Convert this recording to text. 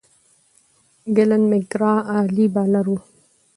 ګلن میک ګرا عالي بالر وو.